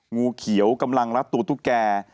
งูเขียวกำลังรัดตัวตุ๊กแก่